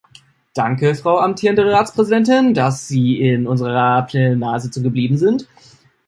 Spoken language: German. Danke, Frau amtierende Ratspräsidentin, dass Sie in unserer Plenarsitzung geblieben sind.